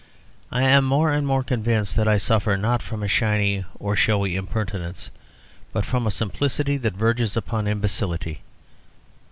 I am more and more convinced that I suffer, not from a shiny or showy impertinence, but from a simplicity that verges upon imbecility.